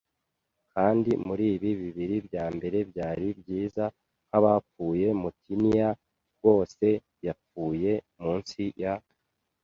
kandi muribi, bibiri bya mbere byari byiza nkabapfuye; mutineer rwose yapfuye munsi ya